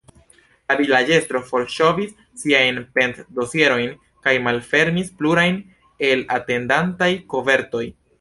La vilaĝestro forŝovis siajn pend-dosierojn kaj malfermis plurajn el atendantaj kovertoj.